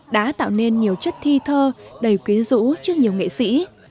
đã tạo nên nhiều chất thi thơ đầy quyến rũ cho nhiều nghệ sĩ